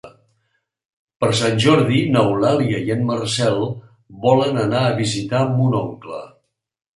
Per Sant Jordi n'Eulàlia i en Marcel volen anar a visitar mon oncle.